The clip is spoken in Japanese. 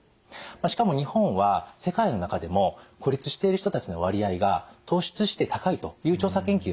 しかも日本は世界の中でも孤立している人たちの割合が突出して高いという調査研究もあるんですね。